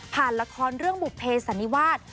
ละครเรื่องบุภเพสันนิวาส